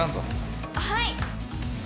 はい。